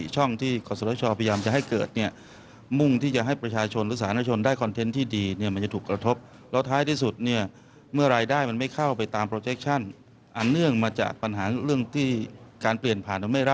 จนต้องหยุดกิจการ